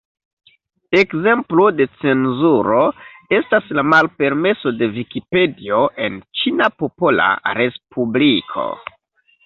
Ekzemplo de cenzuro estas la malpermeso de Vikipedio en Ĉina Popola Respubliko.